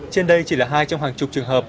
trên đây chỉ là hai trong hàng chục trường hợp